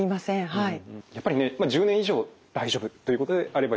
はい。